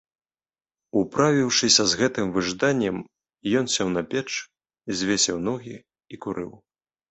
Управіўшыся з гэтым важданнем, ён сеў на печ, звесіў ногі і курыў.